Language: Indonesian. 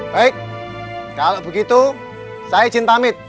baik kalau begitu saya izin pamit